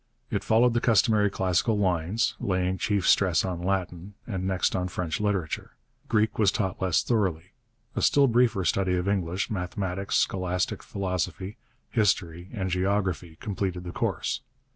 It followed the customary classical lines, laying chief stress on Latin, and next on French literature. Greek was taught less thoroughly; a still briefer study of English, mathematics, scholastic philosophy, history, and geography completed the course.